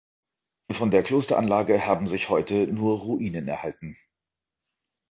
Von der Klosteranlage haben sich heute nur Ruinen erhalten.